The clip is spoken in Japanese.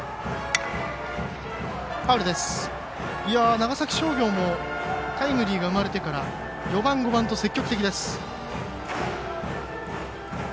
長崎商業もタイムリーが生まれてから４番、５番と積極的です。